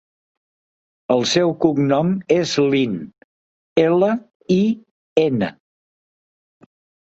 El seu cognom és Lin: ela, i, ena.